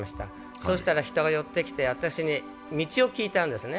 そうしたら人が寄ってきて、私に道を聞いたんですね。